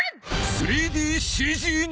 ３ＤＣＧ に！